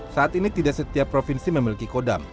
saat ini tidak setiap provinsi memiliki kodam